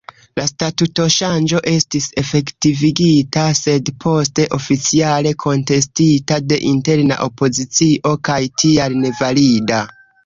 La statutoŝanĝo estis efektivigita, sed poste oficiale kontestita de interna opozicio, kaj tial nevalida.